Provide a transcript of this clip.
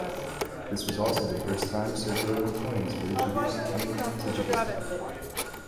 This was also the first time circulating coins were introduced in Tajikistan.